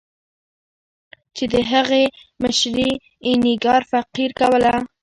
چې د هغې مشري اینیګار فقیر کوله.